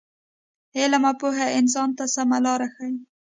علم او پوهه انسان ته سمه لاره ښیي.